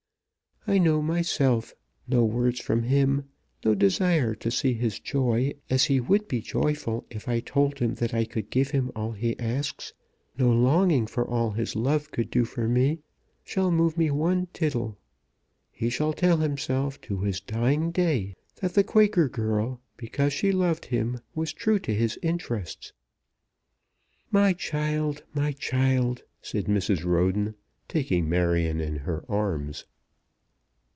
I know myself. No words from him, no desire to see his joy, as he would be joyful, if I told him that I could give him all he asks, no longing for all his love could do for me, shall move me one tittle. He shall tell himself to his dying day that the Quaker girl, because she loved him, was true to his interests." "My child; my child!" said Mrs. Roden, taking Marion in her arms.